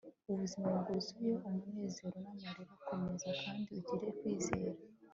ubuzima bwuzuye umunezero n'amarira; komera kandi ugire kwizera